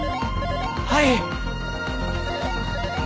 はい。